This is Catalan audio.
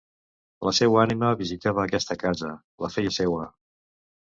La seua ànima visitava aquesta casa, la feia seua.